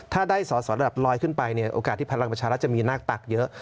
ถ้าได้สอสอระดับลอยขึ้นไปเนี่ยโอกาสที่พลังประชารัฐจะมีหน้าตักเยอะ